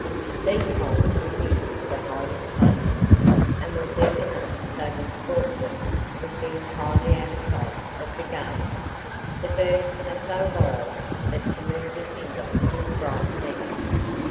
These holes were used for hiding places, and were deep enough so the sportsmen would be entirely out of sight of the game. The birds are so wild that to move a finger will frighten them.